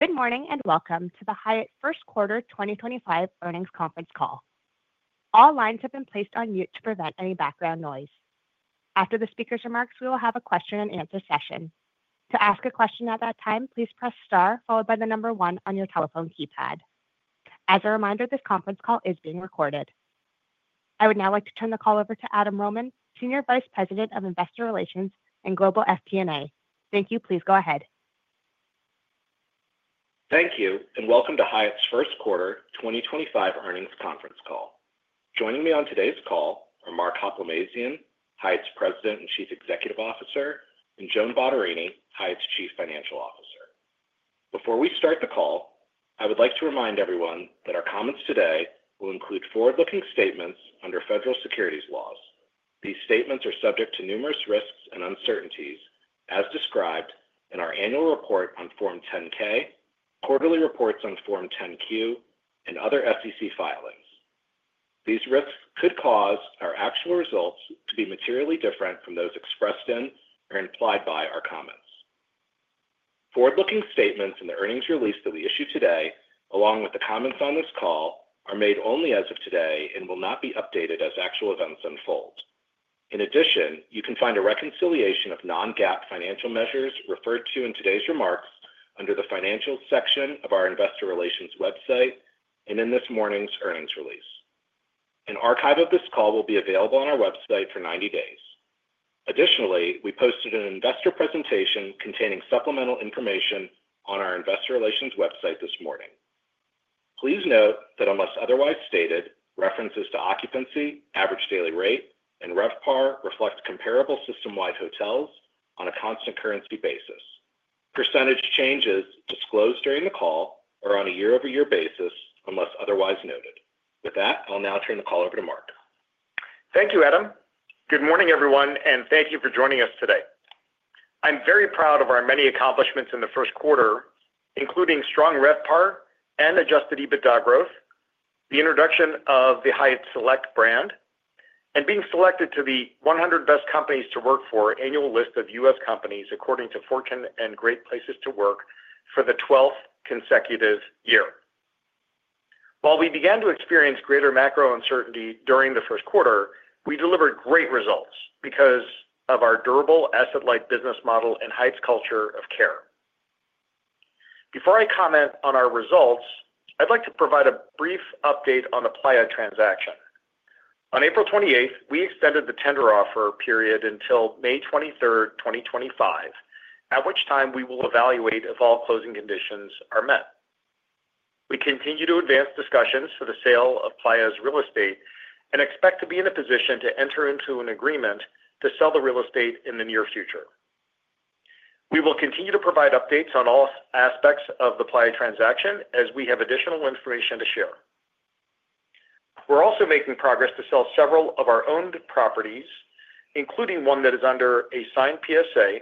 Good morning and welcome to the Hyatt First Quarter 2025 Earnings Conference Call. All lines have been placed on mute to prevent any background noise. After the speaker's remarks, we will have a question-and-answer session. To ask a question at that time, please press star followed by the number one on your telephone keypad. As a reminder, this conference call is being recorded. I would now like to turn the call over to Adam Rohman, Senior Vice President of Investor Relations and Global FP&A. Thank you. Please go ahead. Thank you and welcome to Hyatt's First Quarter 2025 Earnings Conference Call. Joining me on today's call are Mark Hoplamazian, Hyatt's President and Chief Executive Officer, and Joan Bottarini, Hyatt's Chief Financial Officer. Before we start the call, I would like to remind everyone that our comments today will include forward-looking statements under federal securities laws. These statements are subject to numerous risks and uncertainties, as described in our annual report on Form 10-K, quarterly reports on Form 10-Q, and other SEC filings. These risks could cause our actual results to be materially different from those expressed in or implied by our comments. Forward-looking statements in the earnings release that we issue today, along with the comments on this call, are made only as of today and will not be updated as actual events unfold. In addition, you can find a reconciliation of non-GAAP financial measures referred to in today's remarks under the financials section of our Investor Relations website and in this morning's earnings release. An archive of this call will be available on our website for 90 days. Additionally, we posted an investor presentation containing supplemental information on our Investor Relations website this morning. Please note that unless otherwise stated, references to occupancy, average daily rate, and RevPAR reflect comparable system-wide hotels on a constant currency basis. Percentage changes disclosed during the call are on a year-over-year basis unless otherwise noted. With that, I'll now turn the call over to Mark. Thank you, Adam. Good morning, everyone, and thank you for joining us today. I'm very proud of our many accomplishments in the first quarter, including strong RevPAR and adjusted EBITDA growth, the introduction of the Hyatt Select brand, and being selected to the 100 Best Companies to Work For annual list of U.S. companies according to Fortune and Great Place to Work for the 12th consecutive year. While we began to experience greater macro uncertainty during the first quarter, we delivered great results because of our durable asset-light business model and Hyatt's culture of care. Before I comment on our results, I'd like to provide a brief update on the Playa transaction. On April 28, we extended the tender offer period until May 23, 2025, at which time we will evaluate if all closing conditions are met. We continue to advance discussions for the sale of Playa's real estate and expect to be in a position to enter into an agreement to sell the real estate in the near future. We will continue to provide updates on all aspects of the Playa transaction as we have additional information to share. We're also making progress to sell several of our owned properties, including one that is under a signed PSA,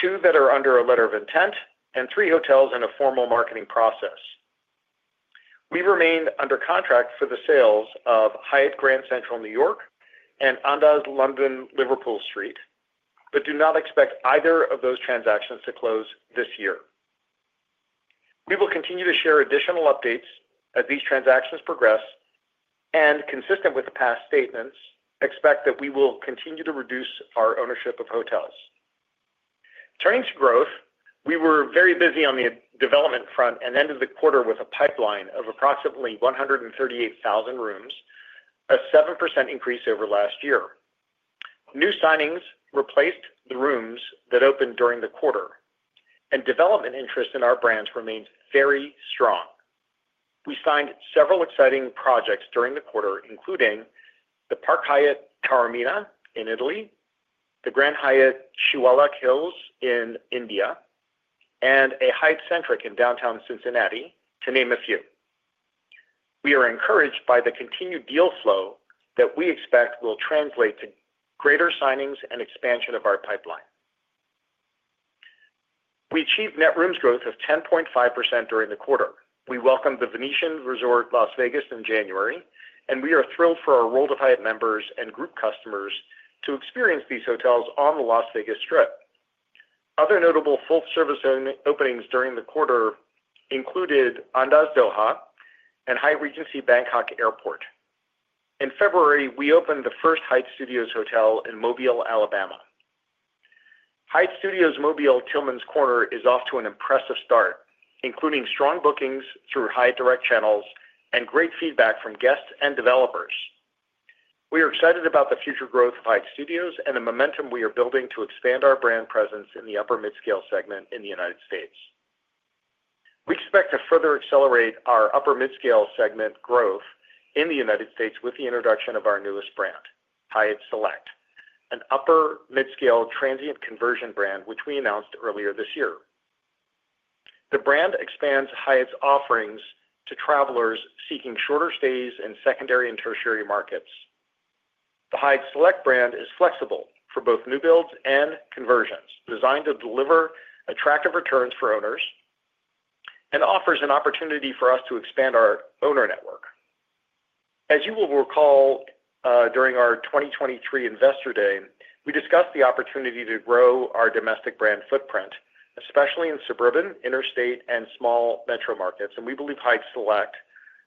two that are under a letter of intent, and three hotels in a formal marketing process. We remain under contract for the sales of Hyatt Grand Central New York and Andaz London Liverpool Street, but do not expect either of those transactions to close this year. We will continue to share additional updates as these transactions progress and, consistent with past statements, expect that we will continue to reduce our ownership of hotels. Turning to growth, we were very busy on the development front and ended the quarter with a pipeline of approximately 138,000 rooms, a 7% increase over last year. New signings replaced the rooms that opened during the quarter, and development interest in our brands remains very strong. We signed several exciting projects during the quarter, including the Park Hyatt Taormina in Italy, the Grand Hyatt Shiwalik Hills in India, and a Hyatt Centric in downtown Cincinnati, to name a few. We are encouraged by the continued deal flow that we expect will translate to greater signings and expansion of our pipeline. We achieved net rooms growth of 10.5% during the quarter. We welcomed The Venetian Resort Las Vegas in January, and we are thrilled for our World of Hyatt members and group customers to experience these hotels on the Las Vegas Strip. Other notable full-service openings during the quarter included Andaz Doha and Hyatt Regency Bangkok Airport. In February, we opened the first Hyatt Studios hotel in Mobile, Alabama. Hyatt Studios Mobile Tillman's Corner is off to an impressive start, including strong bookings through Hyatt Direct channels and great feedback from guests and developers. We are excited about the future growth of Hyatt Studios and the momentum we are building to expand our brand presence in the upper-mid-scale segment in the United States. We expect to further accelerate our upper-mid-scale segment growth in the United States with the introduction of our newest brand, Hyatt Select, an upper-mid-scale transient conversion brand, which we announced earlier this year. The brand expands Hyatt's offerings to travelers seeking shorter stays in secondary and tertiary markets. The Hyatt Select brand is flexible for both new builds and conversions, designed to deliver attractive returns for owners and offers an opportunity for us to expand our owner network. As you will recall during our 2023 Investor Day, we discussed the opportunity to grow our domestic brand footprint, especially in suburban, interstate, and small metro markets, and we believe Hyatt Select,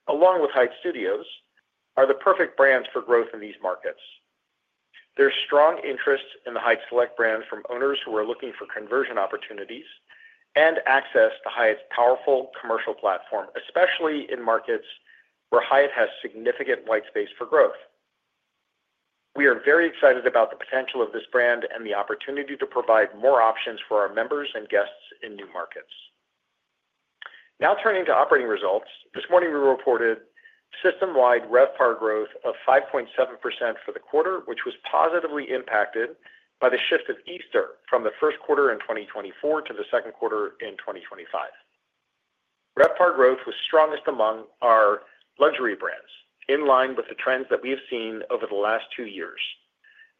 along with Hyatt Studios, are the perfect brands for growth in these markets. There is strong interest in the Hyatt Select brand from owners who are looking for conversion opportunities and access to Hyatt's powerful commercial platform, especially in markets where Hyatt has significant white space for growth. We are very excited about the potential of this brand and the opportunity to provide more options for our members and guests in new markets. Now turning to operating results, this morning we reported system-wide RevPAR growth of 5.7% for the quarter, which was positively impacted by the shift of Easter from the first quarter in 2024 to the second quarter in 2025. RevPAR growth was strongest among our luxury brands, in line with the trends that we have seen over the last two years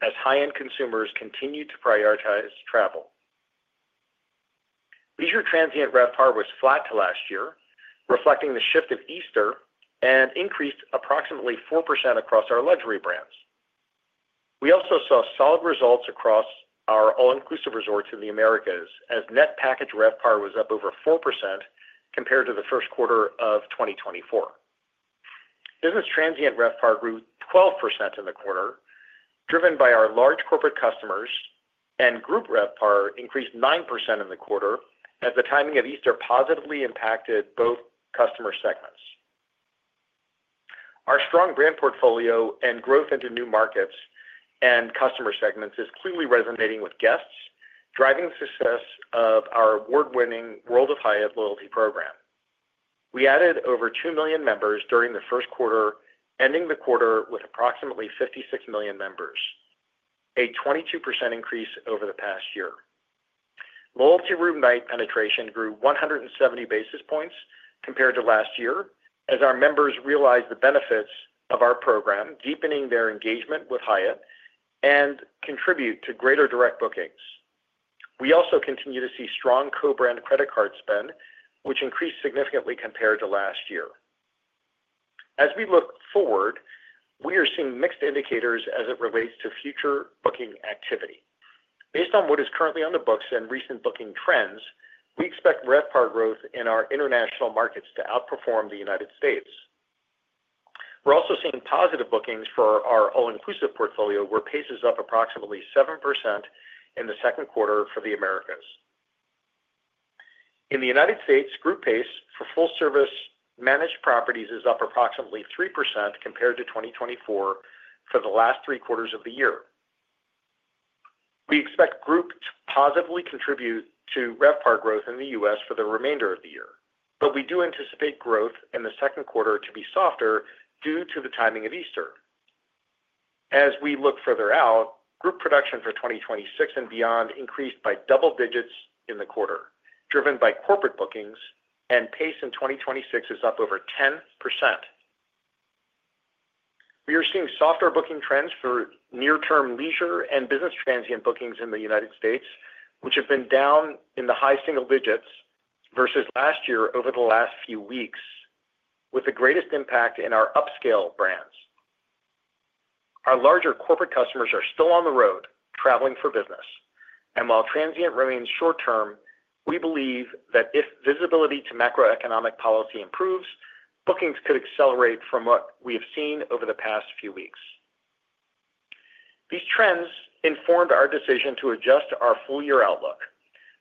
as high-end consumers continue to prioritize travel. Leisure transient RevPAR was flat to last year, reflecting the shift of Easter and increased approximately 4% across our luxury brands. We also saw solid results across our all-inclusive resorts in the Americas as net package RevPAR was up over 4% compared to the first quarter of 2024. Business transient RevPAR grew 12% in the quarter, driven by our large corporate customers, and group RevPAR increased 9% in the quarter as the timing of Easter positively impacted both customer segments. Our strong brand portfolio and growth into new markets and customer segments is clearly resonating with guests, driving the success of our award-winning World of Hyatt loyalty program. We added over 2 million members during the first quarter, ending the quarter with approximately 56 million members, a 22% increase over the past year. Loyalty room night penetration grew 170 basis points compared to last year as our members realized the benefits of our program, deepening their engagement with Hyatt and contributing to greater direct bookings. We also continue to see strong co-brand credit card spend, which increased significantly compared to last year. As we look forward, we are seeing mixed indicators as it relates to future booking activity. Based on what is currently on the books and recent booking trends, we expect RevPAR growth in our international markets to outperform the U.S. We're also seeing positive bookings for our all-inclusive portfolio, where PACE is up approximately 7% in the second quarter for the Americas. In the U.S., group PACE for full-service managed properties is up approximately 3% compared to 2024 for the last three quarters of the year. We expect group to positively contribute to RevPAR growth in the U.S. for the remainder of the year, but we do anticipate growth in the second quarter to be softer due to the timing of Easter. As we look further out, group production for 2026 and beyond increased by double digits in the quarter, driven by corporate bookings, and PACE in 2026 is up over 10%. We are seeing softer booking trends for near-term leisure and business transient bookings in the United States, which have been down in the high single digits versus last year over the last few weeks, with the greatest impact in our upscale brands. Our larger corporate customers are still on the road traveling for business, and while transient remains short-term, we believe that if visibility to macroeconomic policy improves, bookings could accelerate from what we have seen over the past few weeks. These trends informed our decision to adjust our full year outlook,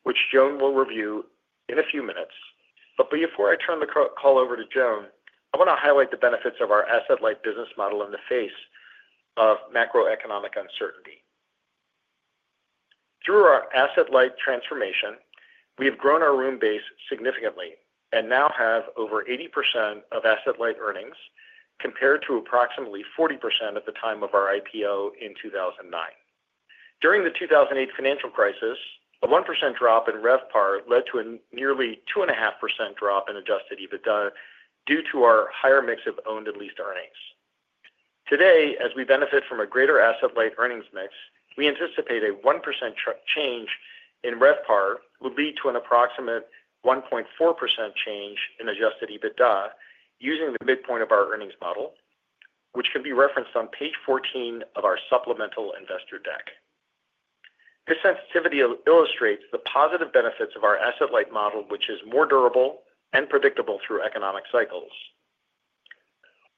which Joan will review in a few minutes. Before I turn the call over to Joan, I want to highlight the benefits of our asset-light business model in the face of macroeconomic uncertainty. Through our asset-light transformation, we have grown our room base significantly and now have over 80% of asset-light earnings compared to approximately 40% at the time of our IPO in 2009. During the 2008 financial crisis, a 1% drop in RevPAR led to a nearly 2.5% drop in adjusted EBITDA due to our higher mix of owned and leased earnings. Today, as we benefit from a greater asset-light earnings mix, we anticipate a 1% change in RevPAR would lead to an approximate 1.4% change in adjusted EBITDA using the midpoint of our earnings model, which can be referenced on page 14 of our supplemental investor deck. This sensitivity illustrates the positive benefits of our asset-light model, which is more durable and predictable through economic cycles.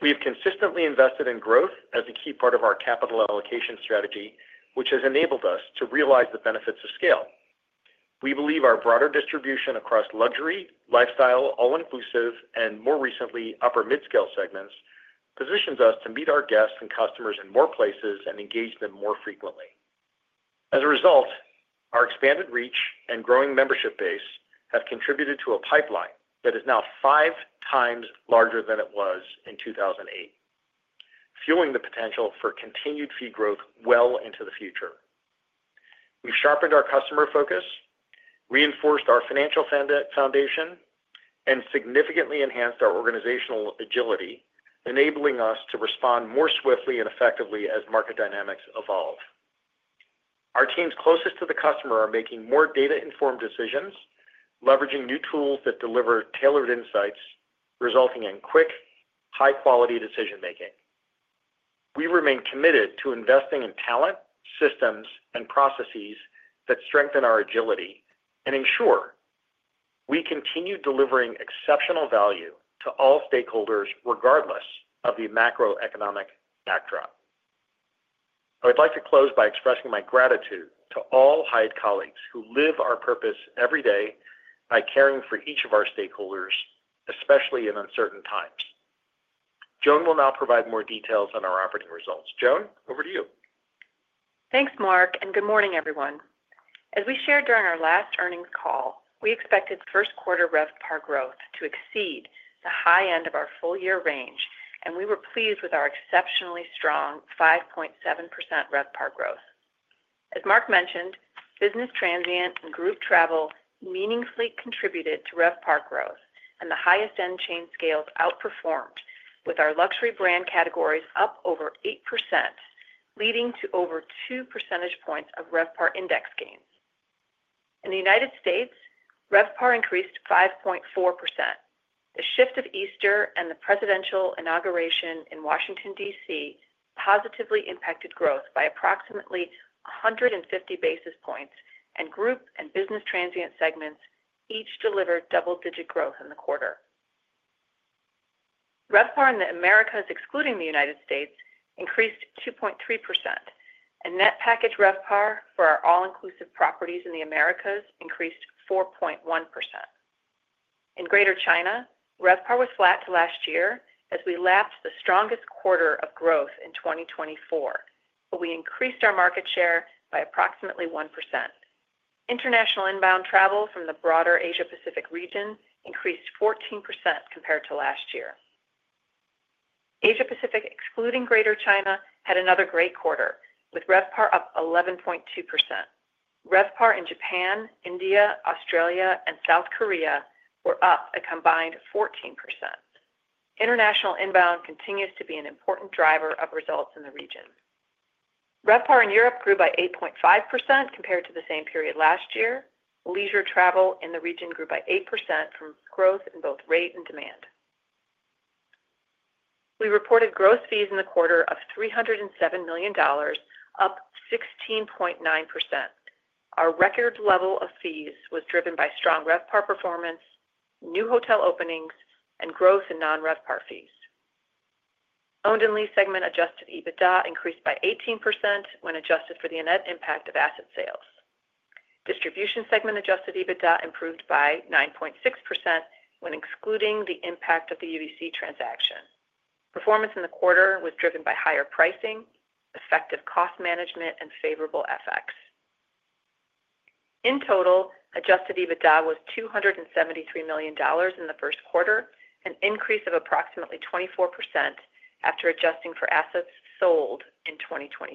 We have consistently invested in growth as a key part of our capital allocation strategy, which has enabled us to realize the benefits of scale. We believe our broader distribution across luxury, lifestyle, all-inclusive, and more recently upper-midscale segments positions us to meet our guests and customers in more places and engage them more frequently. As a result, our expanded reach and growing membership base have contributed to a pipeline that is now five times larger than it was in 2008, fueling the potential for continued fee growth well into the future. We've sharpened our customer focus, reinforced our financial foundation, and significantly enhanced our organizational agility, enabling us to respond more swiftly and effectively as market dynamics evolve. Our teams closest to the customer are making more data-informed decisions, leveraging new tools that deliver tailored insights, resulting in quick, high-quality decision-making. We remain committed to investing in talent, systems, and processes that strengthen our agility and ensure we continue delivering exceptional value to all stakeholders regardless of the macroeconomic backdrop. I would like to close by expressing my gratitude to all Hyatt colleagues who live our purpose every day by caring for each of our stakeholders, especially in uncertain times. Joan will now provide more details on our operating results. Joan, over to you. Thanks, Mark, and good morning, everyone. As we shared during our last earnings call, we expected first-quarter RevPAR growth to exceed the high end of our full-year range, and we were pleased with our exceptionally strong 5.7% RevPAR growth. As Mark mentioned, business transient and group travel meaningfully contributed to RevPAR growth, and the highest end chain scales outperformed, with our luxury brand categories up over 8%, leading to over 2 percentage points of RevPAR index gains. In the U.S., RevPAR increased 5.4%. The shift of Easter and the presidential inauguration in Washington, D.C. positively impacted growth by approximately 150 basis points, and group and business transient segments each delivered double-digit growth in the quarter. RevPAR in the Americas, excluding the U.S., increased 2.3%, and net package RevPAR for our all-inclusive properties in the Americas increased 4.1%. In Greater China, RevPAR was flat to last year as we lapped the strongest quarter of growth in 2024, but we increased our market share by approximately 1%. International inbound travel from the broader Asia-Pacific region increased 14% compared to last year. Asia-Pacific, excluding Greater China, had another great quarter with RevPAR up 11.2%. RevPAR in Japan, India, Australia, and South Korea were up a combined 14%. International inbound continues to be an important driver of results in the region. RevPAR in Europe grew by 8.5% compared to the same period last year. Leisure travel in the region grew by 8% from growth in both rate and demand. We reported gross fees in the quarter of $307 million, up 16.9%. Our record level of fees was driven by strong RevPAR performance, new hotel openings, and growth in non-RevPAR fees. Owned and leased segment adjusted EBITDA increased by 18% when adjusted for the net impact of asset sales. Distribution segment adjusted EBITDA improved by 9.6% when excluding the impact of the UVC transaction. Performance in the quarter was driven by higher pricing, effective cost management, and favorable effects. In total, adjusted EBITDA was $273 million in the first quarter, an increase of approximately 24% after adjusting for assets sold in 2024.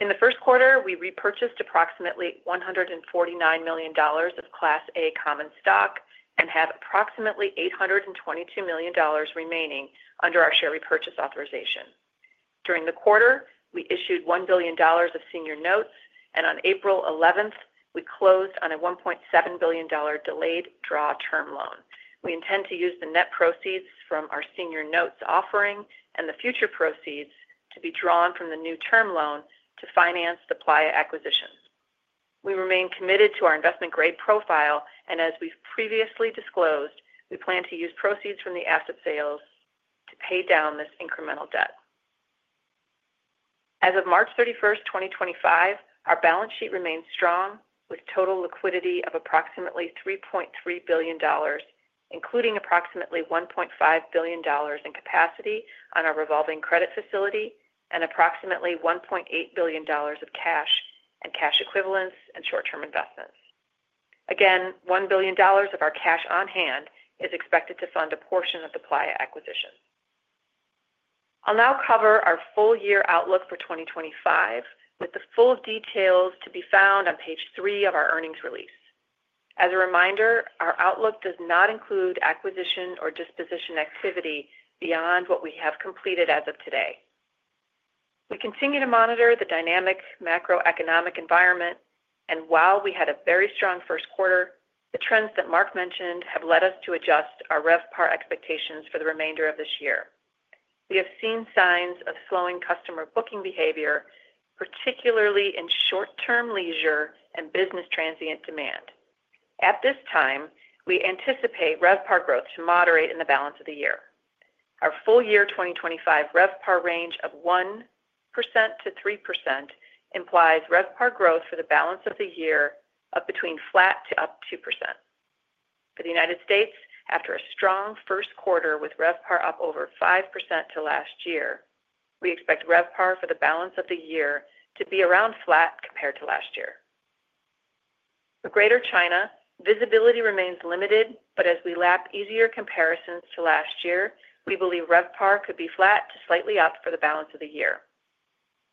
In the first quarter, we repurchased approximately $149 million of Class A common stock and have approximately $822 million remaining under our share repurchase authorization. During the quarter, we issued $1 billion of senior notes, and on April 11th, we closed on a $1.7 billion delayed draw term loan. We intend to use the net proceeds from our senior notes offering and the future proceeds to be drawn from the new term loan to finance the Playa acquisitions. We remain committed to our investment-grade profile, and as we've previously disclosed, we plan to use proceeds from the asset sales to pay down this incremental debt. As of March 31, 2025, our balance sheet remains strong with total liquidity of approximately $3.3 billion, including approximately $1.5 billion in capacity on our revolving credit facility and approximately $1.8 billion of cash and cash equivalents and short-term investments. Again, $1 billion of our cash on hand is expected to fund a portion of the Playa acquisition. I'll now cover our full year outlook for 2025, with the full details to be found on page three of our earnings release. As a reminder, our outlook does not include acquisition or disposition activity beyond what we have completed as of today. We continue to monitor the dynamic macroeconomic environment, and while we had a very strong first quarter, the trends that Mark mentioned have led us to adjust our RevPAR expectations for the remainder of this year. We have seen signs of slowing customer booking behavior, particularly in short-term leisure and business transient demand. At this time, we anticipate RevPAR growth to moderate in the balance of the year. Our full year 2025 RevPAR range of 1%-3% implies RevPAR growth for the balance of the year of between flat to up 2%. For the U.S., after a strong first quarter with RevPAR up over 5% to last year, we expect RevPAR for the balance of the year to be around flat compared to last year. For Greater China, visibility remains limited, but as we lap easier comparisons to last year, we believe RevPAR could be flat to slightly up for the balance of the year.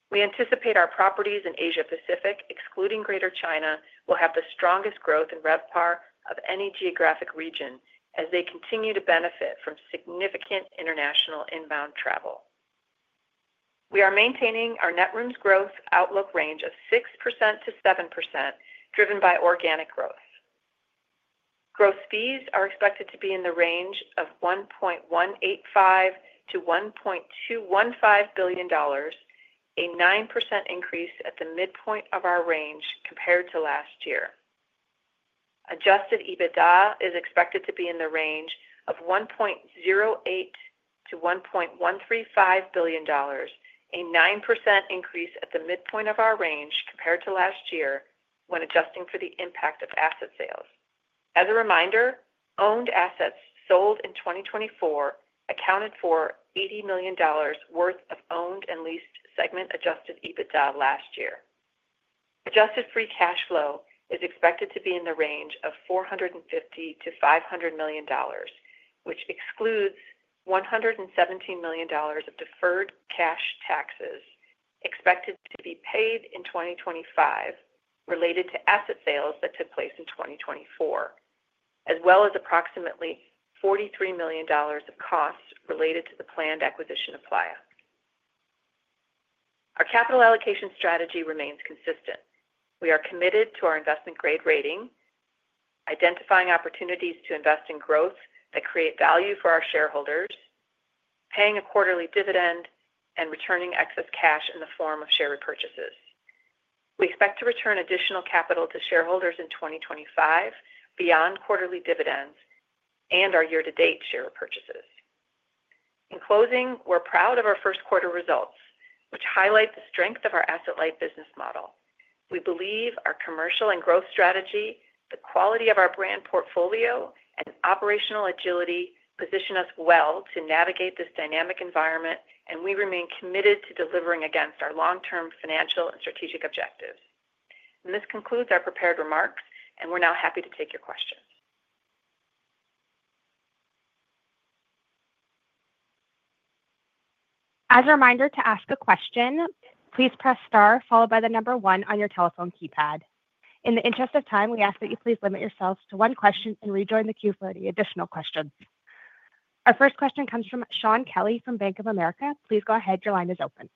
We anticipate our properties in Asia-Pacific, excluding Greater China, will have the strongest growth in RevPAR of any geographic region as they continue to benefit from significant international inbound travel. We are maintaining our net rooms growth outlook range of 6%-7%, driven by organic growth. Gross fees are expected to be in the range of $1.185 billion-$1.215 billion, a 9% increase at the midpoint of our range compared to last year. Adjusted EBITDA is expected to be in the range of $1.08 billion-$1.135 billion, a 9% increase at the midpoint of our range compared to last year when adjusting for the impact of asset sales. As a reminder, owned assets sold in 2024 accounted for $80 million worth of owned and leased segment adjusted EBITDA last year. Adjusted free cash flow is expected to be in the range of $450 million-$500 million, which excludes $117 million of deferred cash taxes expected to be paid in 2025 related to asset sales that took place in 2024, as well as approximately $43 million of costs related to the planned acquisition of Playa. Our capital allocation strategy remains consistent. We are committed to our investment-grade rating, identifying opportunities to invest in growth that create value for our shareholders, paying a quarterly dividend, and returning excess cash in the form of share repurchases. We expect to return additional capital to shareholders in 2025 beyond quarterly dividends and our year-to-date share repurchases. In closing, we're proud of our first-quarter results, which highlight the strength of our asset-light business model. We believe our commercial and growth strategy, the quality of our brand portfolio, and operational agility position us well to navigate this dynamic environment, and we remain committed to delivering against our long-term financial and strategic objectives. This concludes our prepared remarks, and we're now happy to take your questions. As a reminder to ask a question, please press star followed by the number one on your telephone keypad. In the interest of time, we ask that you please limit yourselves to one question and rejoin the queue for additional questions. Our first question comes from Shaun Kelley from Bank of America. Please go ahead. Your line is open.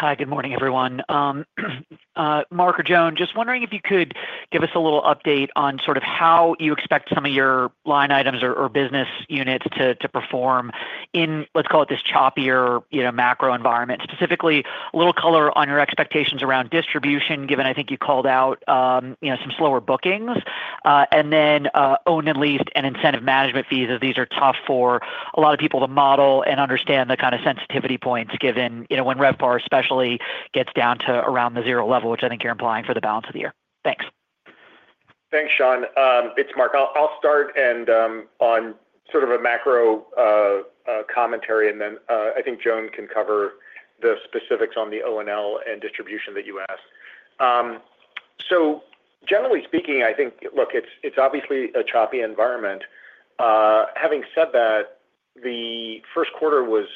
Hi, good morning, everyone. Mark or Joan, just wondering if you could give us a little update on sort of how you expect some of your line items or business units to perform in, let's call it, this choppier macro environment. Specifically, a little color on your expectations around distribution, given I think you called out some slower bookings, and then owned and leased and incentive management fees, as these are tough for a lot of people to model and understand the kind of sensitivity points given when RevPAR especially gets down to around the zero level, which I think you're implying for the balance of the year. Thanks. Thanks, Sean. It's Mark. I'll start on sort of a macro commentary, and then I think Joan can cover the specifics on the O&L and distribution that you asked. Generally speaking, I think, look, it's obviously a choppy environment. Having said that, the first quarter was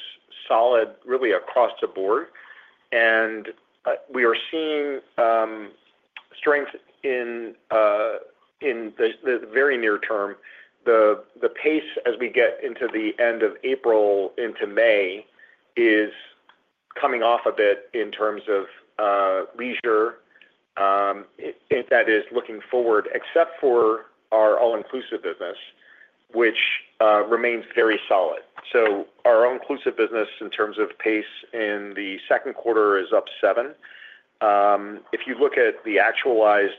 solid, really across the board, and we are seeing strength in the very near term. The pace as we get into the end of April into May is coming off a bit in terms of leisure, that is, looking forward, except for our all-inclusive business, which remains very solid. Our all-inclusive business in terms of pace in the second quarter is up 7%. If you look at the actualized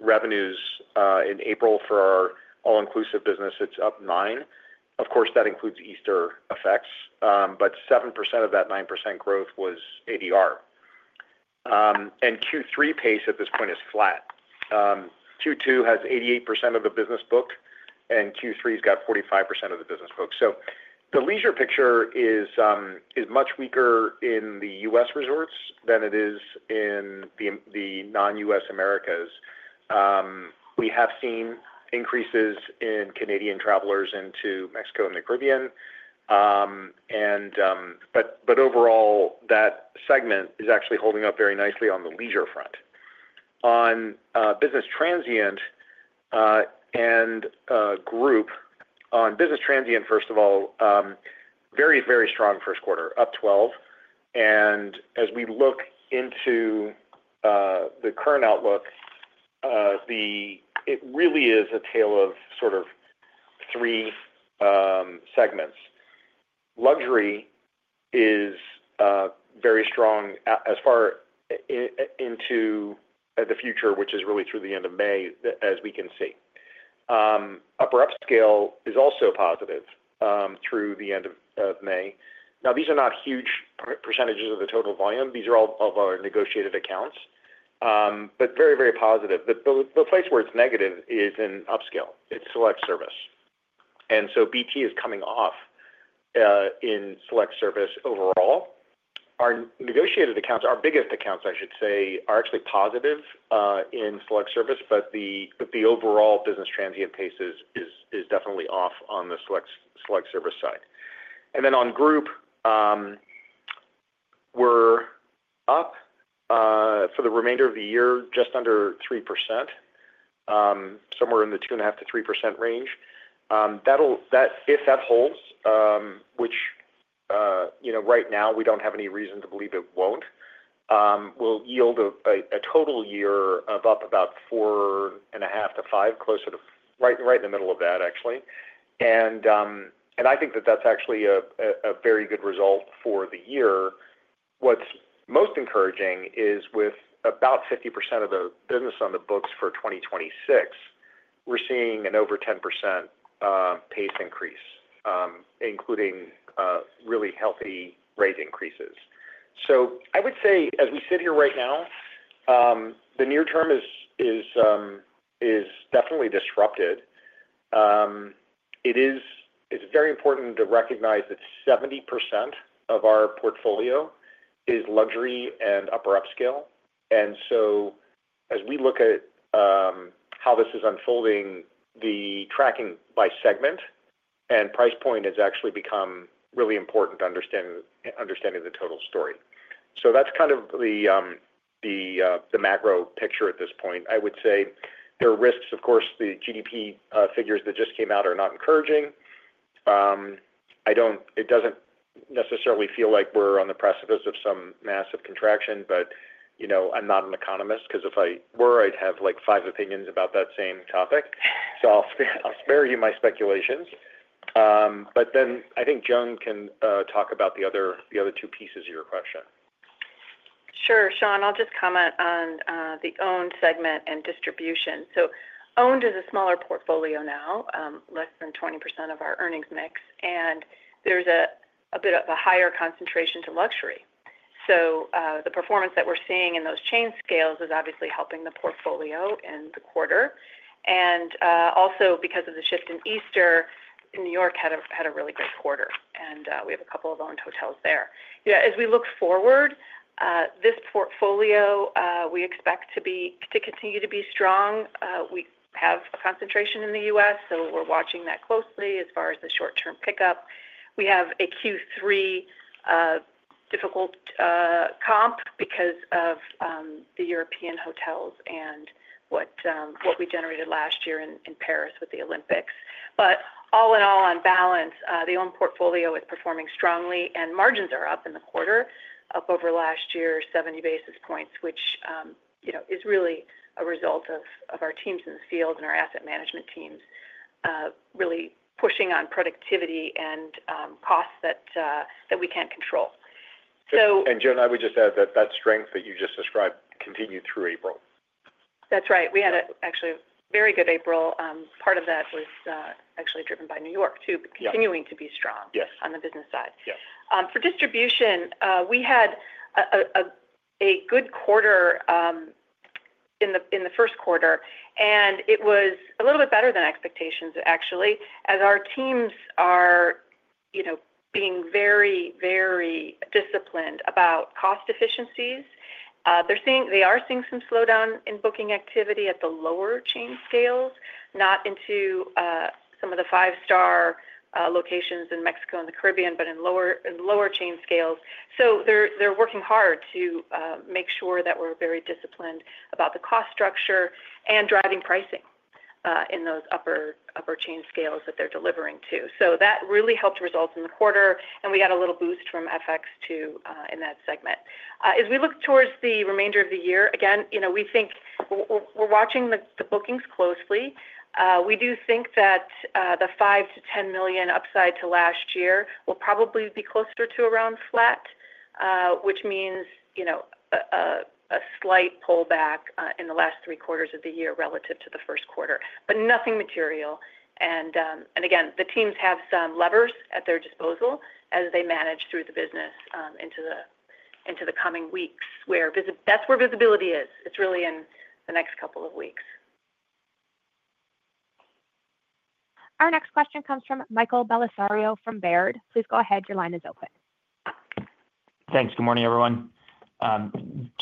revenues in April for our all-inclusive business, it's up 9%. Of course, that includes Easter effects, but 7% of that 9% growth was ADR. Q3 pace at this point is flat. Q2 has 88% of the business book, and Q3 has got 45% of the business book. The leisure picture is much weaker in the U.S. resorts than it is in the non-U.S. Americas. We have seen increases in Canadian travelers into Mexico and the Caribbean, but overall, that segment is actually holding up very nicely on the leisure front. On business transient and group, on business transient, first of all, very, very strong first quarter, up 12. As we look into the current outlook, it really is a tale of sort of three segments. Luxury is very strong as far into the future, which is really through the end of May, as we can see. Upper upscale is also positive through the end of May. These are not huge percentages of the total volume. These are all of our negotiated accounts, but very, very positive. The place where it's negative is in upscale. It's select service. BT is coming off in select service overall. Our negotiated accounts, our biggest accounts, I should say, are actually positive in select service, but the overall business transient pace is definitely off on the select service side. On group, we're up for the remainder of the year just under 3%, somewhere in the 2.5%-3% range. If that holds, which right now we don't have any reason to believe it won't, will yield a total year of up about 4.5%-5%, right in the middle of that, actually. I think that that's actually a very good result for the year. What's most encouraging is with about 50% of the business on the books for 2026, we're seeing an over 10% pace increase, including really healthy rate increases. I would say, as we sit here right now, the near term is definitely disrupted. It is very important to recognize that 70% of our portfolio is luxury and upper upscale. As we look at how this is unfolding, the tracking by segment and price point has actually become really important to understanding the total story. That is kind of the macro picture at this point. I would say there are risks. Of course, the GDP figures that just came out are not encouraging. It does not necessarily feel like we are on the precipice of some massive contraction, but I am not an economist because if I were, I would have five opinions about that same topic. I will spare you my speculations. I think Joan can talk about the other two pieces of your question. Sure. Sean, I'll just comment on the owned segment and distribution. Owned is a smaller portfolio now, less than 20% of our earnings mix, and there's a bit of a higher concentration to luxury. The performance that we're seeing in those chain scales is obviously helping the portfolio in the quarter. Also, because of the shift in Easter, New York had a really great quarter, and we have a couple of owned hotels there. As we look forward, this portfolio, we expect to continue to be strong. We have a concentration in the U.S., so we're watching that closely as far as the short-term pickup. We have a Q3 difficult comp because of the European hotels and what we generated last year in Paris with the Olympics. All in all, on balance, the owned portfolio is performing strongly, and margins are up in the quarter, up over last year, 70 basis points, which is really a result of our teams in the field and our asset management teams really pushing on productivity and costs that we can control. Joan, I would just add that that strength that you just described continued through April. That's right. We had actually a very good April. Part of that was actually driven by New York, too, continuing to be strong on the business side. For distribution, we had a good quarter in the first quarter, and it was a little bit better than expectations, actually. As our teams are being very, very disciplined about cost efficiencies, they are seeing some slowdown in booking activity at the lower chain scales, not into some of the five-star locations in Mexico and the Caribbean, but in lower chain scales. They are working hard to make sure that we're very disciplined about the cost structure and driving pricing in those upper chain scales that they're delivering to. That really helped result in the quarter, and we got a little boost from FX too in that segment. As we look towards the remainder of the year, again, we think we're watching the bookings closely. We do think that the $5 million-$10 million upside to last year will probably be closer to around flat, which means a slight pullback in the last three quarters of the year relative to the first quarter, but nothing material. Again, the teams have some levers at their disposal as they manage through the business into the coming weeks, where that's where visibility is. It's really in the next couple of weeks. Our next question comes from Michael Bellisario from Baird. Please go ahead. Your line is open. Thanks. Good morning, everyone.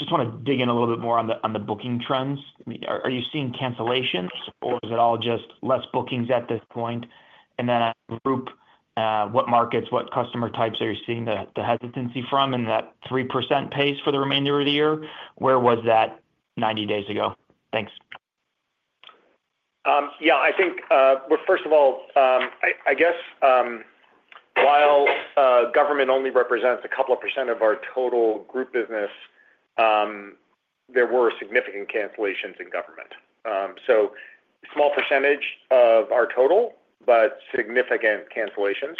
Just want to dig in a little bit more on the booking trends. Are you seeing cancellations, or is it all just less bookings at this point? Then group, what markets, what customer types are you seeing the hesitancy from in that 3% pace for the remainder of the year? Where was that 90 days ago? Thanks. Yeah. I think, first of all, I guess while government only represents a couple of percent of our total group business, there were significant cancellations in government. Small percentage of our total, but significant cancellations.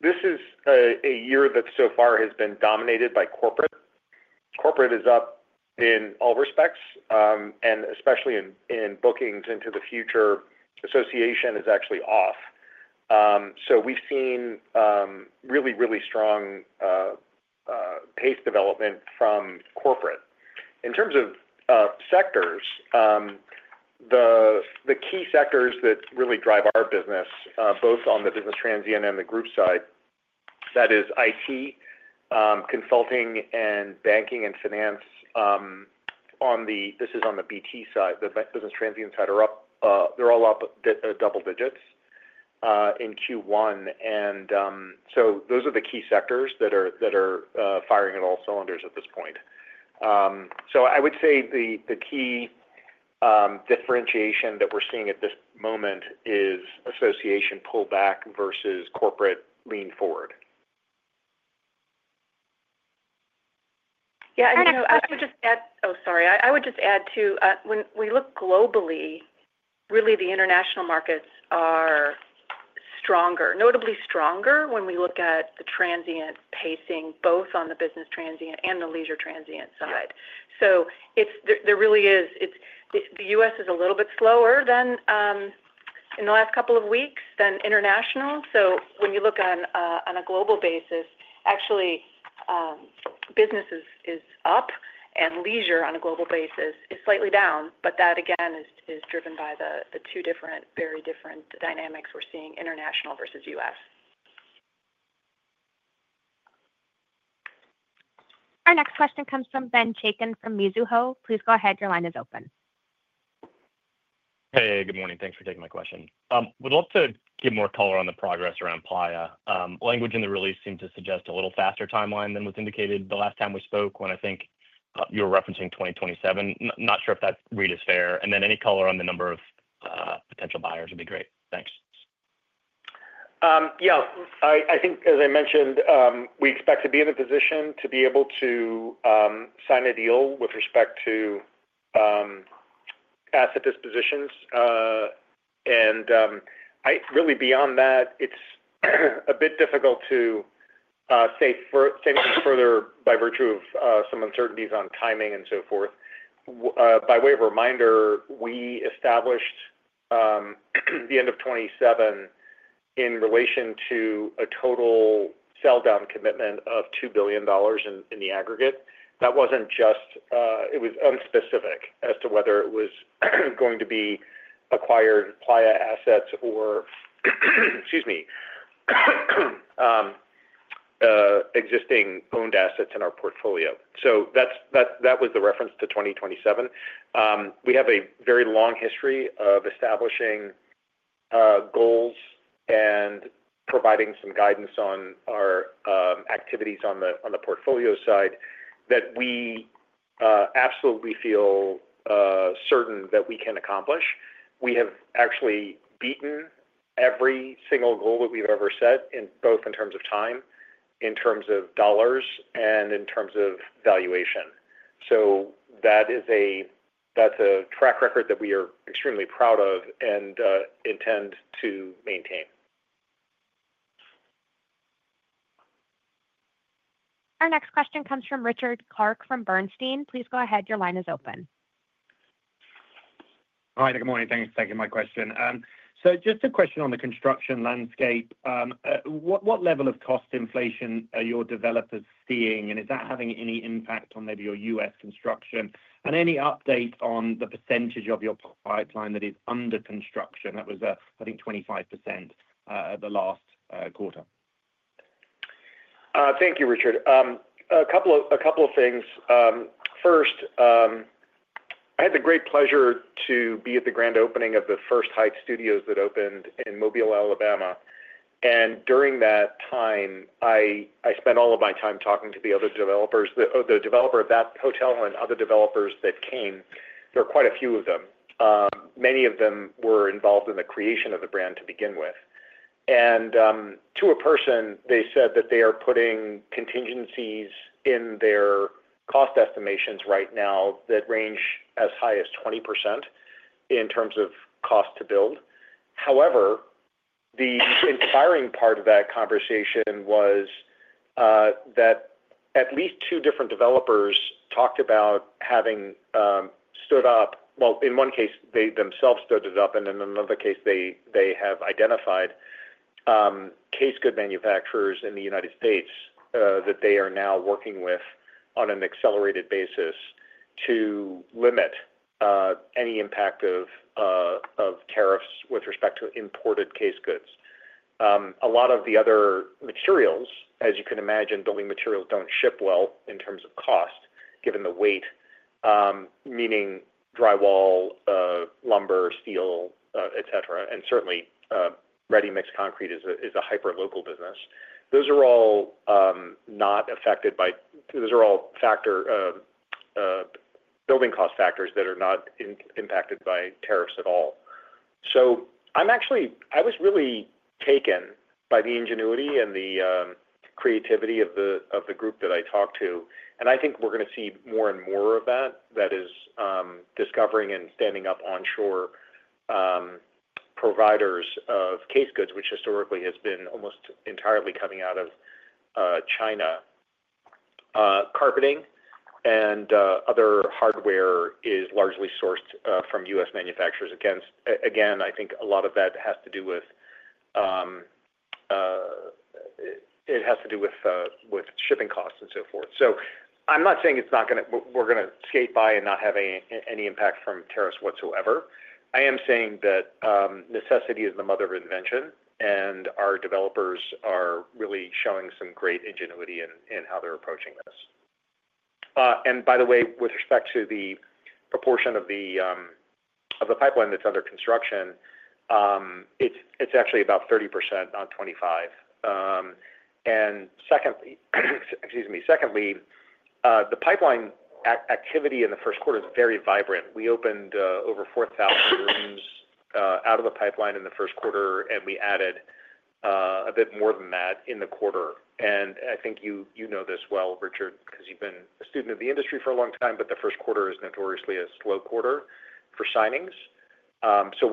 This is a year that so far has been dominated by corporate. Corporate is up in all respects, and especially in bookings into the future, association is actually off. We have seen really, really strong pace development from corporate. In terms of sectors, the key sectors that really drive our business, both on the business transient and the group side, that is IT, consulting, and banking and finance. This is on the BT side. The business transient side are up. They are all up double digits in Q1. Those are the key sectors that are firing at all cylinders at this point. I would say the key differentiation that we're seeing at this moment is association pullback versus corporate lean forward. Yeah. I would just add, when we look globally, really the international markets are stronger, notably stronger when we look at the transient pacing, both on the business transient and the leisure transient side. There really is—the U.S. is a little bit slower in the last couple of weeks than international. When you look on a global basis, actually, business is up, and leisure on a global basis is slightly down, but that, again, is driven by the two different, very different dynamics we're seeing, international versus U.S. Our next question comes from Ben Chaiken from Mizuho. Please go ahead. Your line is open. Hey, good morning. Thanks for taking my question. Would love to get more color on the progress around Playa. Language in the release seemed to suggest a little faster timeline than was indicated the last time we spoke when, I think, you were referencing 2027. Not sure if that read is fair. Any color on the number of potential buyers would be great. Thanks. Yeah. I think, as I mentioned, we expect to be in a position to be able to sign a deal with respect to asset dispositions. Really, beyond that, it's a bit difficult to say anything further by virtue of some uncertainties on timing and so forth. By way of reminder, we established the end of 2027 in relation to a total sell-down commitment of $2 billion in the aggregate. That was not just—it was unspecific as to whether it was going to be acquired Playa assets or, excuse me, existing owned assets in our portfolio. That was the reference to 2027. We have a very long history of establishing goals and providing some guidance on our activities on the portfolio side that we absolutely feel certain that we can accomplish. We have actually beaten every single goal that we've ever set, both in terms of time, in terms of dollars, and in terms of valuation. That is a track record that we are extremely proud of and intend to maintain. Our next question comes from Richard Clarke from Bernstein. Please go ahead. Your line is open. Hi. Good morning. Thanks for taking my question. Just a question on the construction landscape. What level of cost inflation are your developers seeing, and is that having any impact on maybe your U.S. construction? Any update on the percentage of your pipeline that is under construction? That was, I think, 25% the last quarter. Thank you, Richard. A couple of things. First, I had the great pleasure to be at the grand opening of the first Hyatt Studios that opened in Mobile, Alabama. During that time, I spent all of my time talking to the other developers, the developer of that hotel and other developers that came. There were quite a few of them. Many of them were involved in the creation of the brand to begin with. To a person, they said that they are putting contingencies in their cost estimations right now that range as high as 20% in terms of cost to build. However, the inspiring part of that conversation was that at least two different developers talked about having stood up—in one case, they themselves stood it up, and in another case, they have identified case good manufacturers in the United States that they are now working with on an accelerated basis to limit any impact of tariffs with respect to imported case goods. A lot of the other materials, as you can imagine, building materials do not ship well in terms of cost, given the weight, meaning drywall, lumber, steel, etc., and certainly ready-mix concrete is a hyper-local business. Those are all not affected by—those are all building cost factors that are not impacted by tariffs at all. I was really taken by the ingenuity and the creativity of the group that I talked to. I think we're going to see more and more of that, that is, discovering and standing up onshore providers of case goods, which historically has been almost entirely coming out of China. Carpeting and other hardware is largely sourced from U.S. manufacturers. I think a lot of that has to do with shipping costs and so forth. I'm not saying we're going to skate by and not have any impact from tariffs whatsoever. I am saying that necessity is the mother of invention, and our developers are really showing some great ingenuity in how they're approaching this. By the way, with respect to the proportion of the pipeline that's under construction, it's actually about 30% on 2025. Secondly, the pipeline activity in the first quarter is very vibrant. We opened over 4,000 rooms out of the pipeline in the first quarter, and we added a bit more than that in the quarter. I think you know this well, Richard, because you've been a student of the industry for a long time, but the first quarter is notoriously a slow quarter for signings. We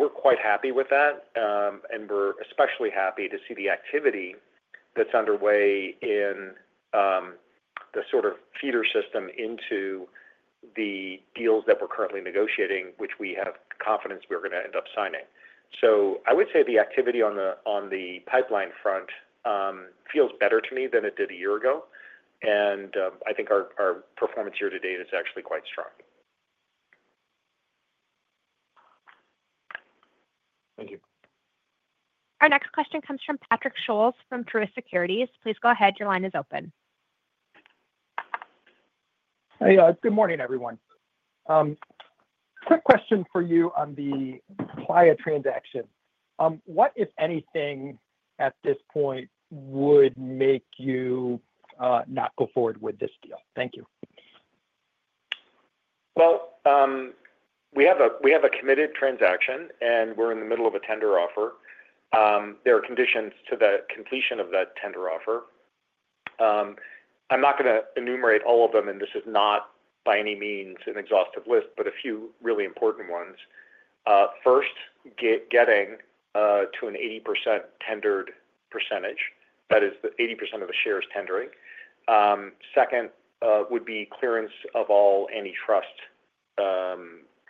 are quite happy with that, and we are especially happy to see the activity that's underway in the sort of feeder system into the deals that we are currently negotiating, which we have confidence we are going to end up signing. I would say the activity on the pipeline front feels better to me than it did a year ago. I think our performance year-to-date is actually quite strong. Thank you. Our next question comes from Patrick Scholes from Truist Securities. Please go ahead. Your line is open. Hey. Good morning, everyone. Quick question for you on the Playa transaction. What, if anything, at this point, would make you not go forward with this deal? Thank you. We have a committed transaction, and we're in the middle of a tender offer. There are conditions to the completion of that tender offer. I'm not going to enumerate all of them, and this is not by any means an exhaustive list, but a few really important ones. First, getting to an 80% tendered percentage. That is, 80% of the shares tendering. Second, would be clearance of all antitrust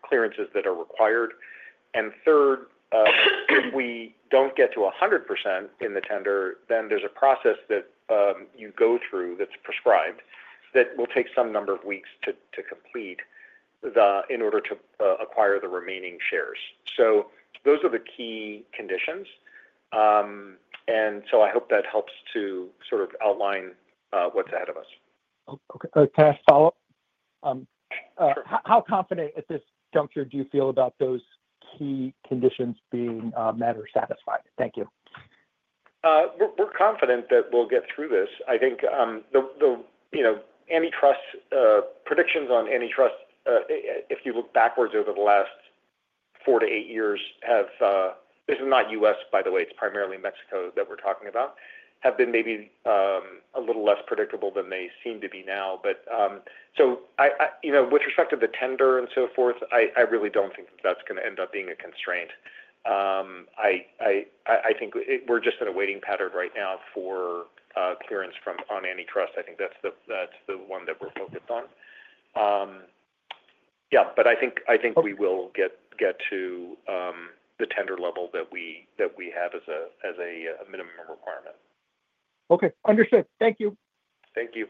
clearances that are required. Third, if we don't get to 100% in the tender, then there's a process that you go through that's prescribed that will take some number of weeks to complete in order to acquire the remaining shares. Those are the key conditions. I hope that helps to sort of outline what's ahead of us. Okay. Can I follow up? Sure. How confident, at this juncture, do you feel about those key conditions being met or satisfied? Thank you. We're confident that we'll get through this. I think the antitrust predictions on antitrust, if you look backwards over the last four to eight years, have—this is not U.S., by the way. It's primarily Mexico that we're talking about—have been maybe a little less predictable than they seem to be now. With respect to the tender and so forth, I really don't think that that's going to end up being a constraint. I think we're just in a waiting pattern right now for clearance on antitrust. I think that's the one that we're focused on. Yeah. I think we will get to the tender level that we have as a minimum requirement. Okay. Understood. Thank you. Thank you.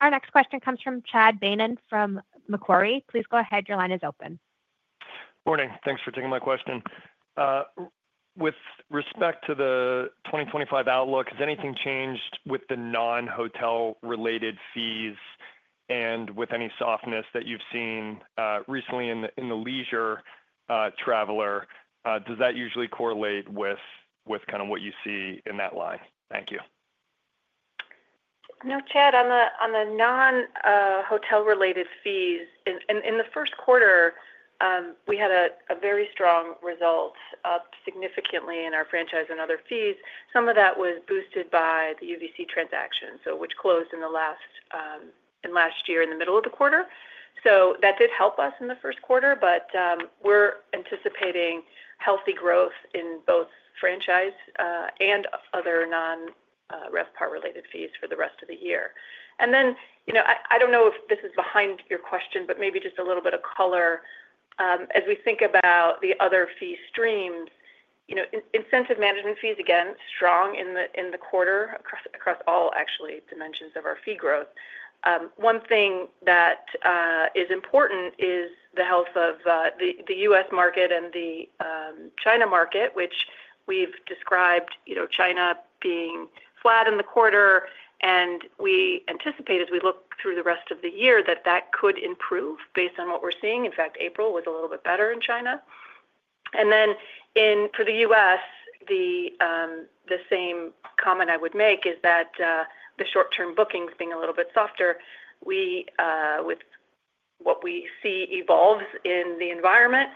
Our next question comes from Chad Beynon from Macquarie. Please go ahead. Your line is open. Morning. Thanks for taking my question. With respect to the 2025 outlook, has anything changed with the non-hotel-related fees and with any softness that you've seen recently in the leisure traveler? Does that usually correlate with kind of what you see in that line? Thank you. No, Chad. On the non-hotel-related fees, in the first quarter, we had a very strong result, significantly, in our franchise and other fees. Some of that was boosted by the UVC transaction, which closed in the last year in the middle of the quarter. That did help us in the first quarter, but we're anticipating healthy growth in both franchise and other non-RevPAR-related fees for the rest of the year. I don't know if this is behind your question, but maybe just a little bit of color. As we think about the other fee streams, incentive management fees, again, strong in the quarter across all, actually, dimensions of our fee growth. One thing that is important is the health of the U.S. market and the China market, which we've described China being flat in the quarter. We anticipate, as we look through the rest of the year, that that could improve based on what we're seeing. In fact, April was a little bit better in China. For the U.S., the same comment I would make is that the short-term bookings being a little bit softer, with what we see evolves in the environment,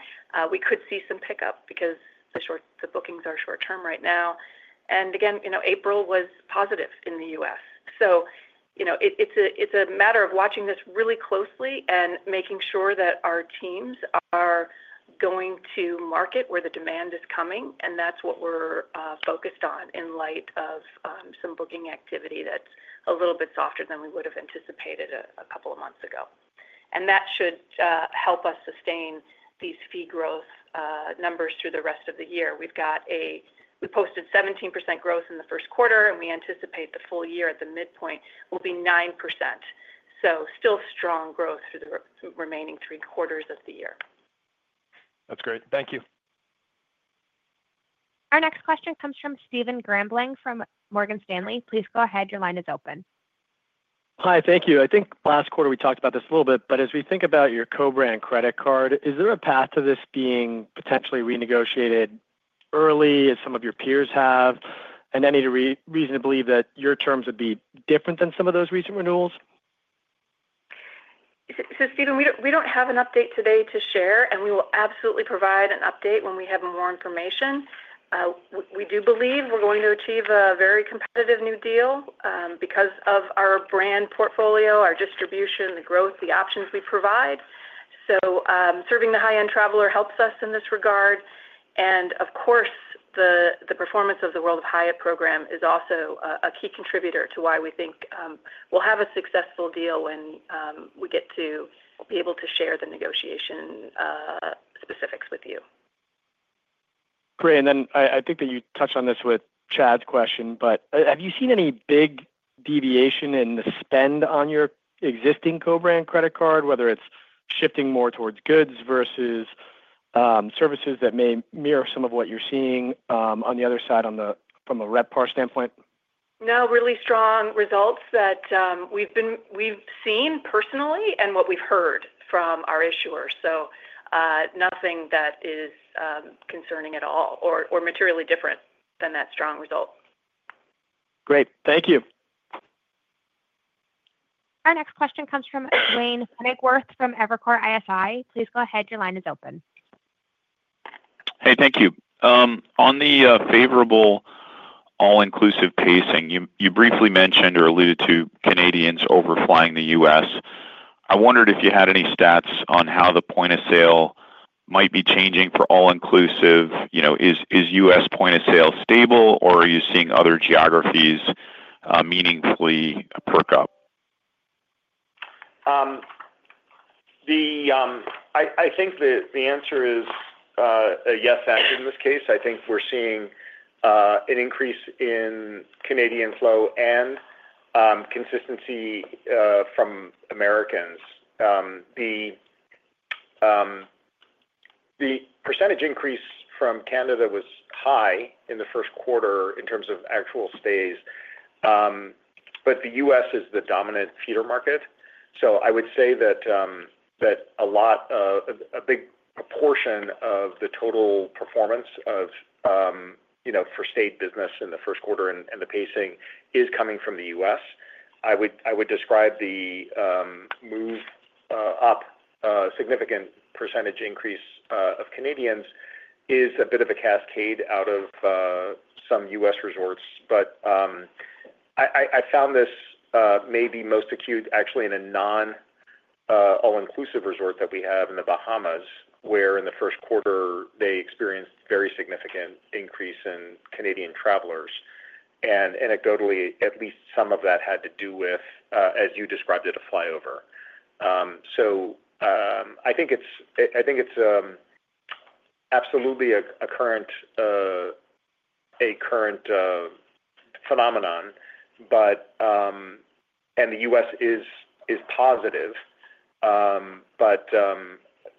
we could see some pickup because the bookings are short-term right now. Again, April was positive in the U.S. It is a matter of watching this really closely and making sure that our teams are going to market where the demand is coming. That is what we're focused on in light of some booking activity that's a little bit softer than we would have anticipated a couple of months ago. That should help us sustain these fee growth numbers through the rest of the year. We posted 17% growth in the first quarter, and we anticipate the full year at the midpoint will be 9%. Still strong growth through the remaining three quarters of the year. That's great. Thank you. Our next question comes from Stephen Grambling from Morgan Stanley. Please go ahead. Your line is open. Hi. Thank you. I think last quarter, we talked about this a little bit, but as we think about your co-brand credit card, is there a path to this being potentially renegotiated early as some of your peers have? Any reason to believe that your terms would be different than some of those recent renewals? Stephen, we don't have an update today to share, and we will absolutely provide an update when we have more information. We do believe we're going to achieve a very competitive new deal because of our brand portfolio, our distribution, the growth, the options we provide. Serving the high-end traveler helps us in this regard. Of course, the performance of the World of Hyatt program is also a key contributor to why we think we'll have a successful deal when we get to be able to share the negotiation specifics with you. Great. I think that you touched on this with Chad's question, but have you seen any big deviation in the spend on your existing co-brand credit card, whether it's shifting more towards goods versus services that may mirror some of what you're seeing on the other side from a RevPAR standpoint? No, really strong results that we've seen personally and what we've heard from our issuers. Nothing that is concerning at all or materially different than that strong result. Great. Thank you. Our next question comes from Wayne [Hecker] from Evercore ISI. Please go ahead. Your line is open. Hey. Thank you. On the favorable all-inclusive pacing, you briefly mentioned or alluded to Canadians overflying the U.S. I wondered if you had any stats on how the point of sale might be changing for all-inclusive. Is U.S. point of sale stable, or are you seeing other geographies meaningfully perk up? I think the answer is a yes factor in this case. I think we're seeing an increase in Canadian flow and consistency from Americans. The percentage increase from Canada was high in the first quarter in terms of actual stays, but the U.S. is the dominant feeder market. I would say that a big proportion of the total performance for state business in the first quarter and the pacing is coming from the U.S. I would describe the move up, significant percentage increase of Canadians is a bit of a cascade out of some U.S. resorts. I found this may be most acute, actually, in a non-all-inclusive resort that we have in the Bahamas, where in the first quarter, they experienced a very significant increase in Canadian travelers. Anecdotally, at least some of that had to do with, as you described it, a flyover. I think it's absolutely a current phenomenon, and the U.S. is positive, but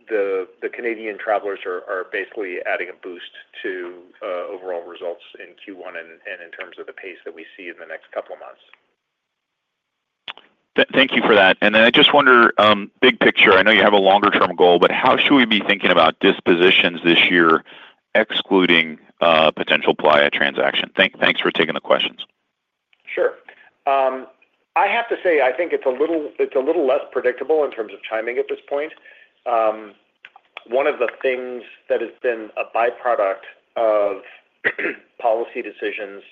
the Canadian travelers are basically adding a boost to overall results in Q1 and in terms of the pace that we see in the next couple of months. Thank you for that. I just wonder, big picture, I know you have a longer-term goal, but how should we be thinking about dispositions this year, excluding potential Playa transaction? Thanks for taking the questions. Sure. I have to say I think it's a little less predictable in terms of timing at this point. One of the things that has been a byproduct of policy decisions